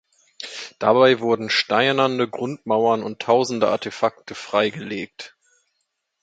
Dabei wurden steinerne Grundmauern und Tausende Artefakte freigelegt.